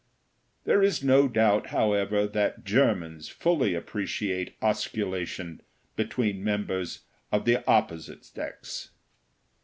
There is no doubt, however, that Germans fully appreciate osculation between members of the opposite sex.